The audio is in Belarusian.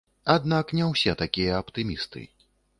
Аднак не ўсе такія аптымісты.